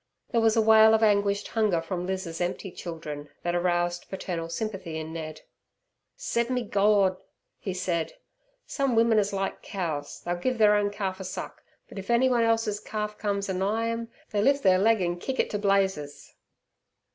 There was a wail of anguished hunger from Liz's empty children that aroused paternal sympathy in Ned. "Sep me Gord," he said, "some wimmen is like cows. They'll give ther own calf a suck, but if anyone else's calf cums anigh 'em they lif' their leg an' kick it ter blazes."